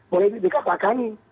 boleh dibilang bahkan